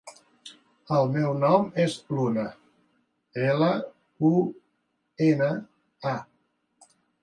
El meu nom és Luna: ela, u, ena, a.